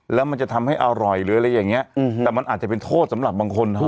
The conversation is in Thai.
แล้วมันจะทำให้อร่อยหรืออะไรอย่างเงี้ยแต่มันอาจจะเป็นโทษสำหรับบางคนเขา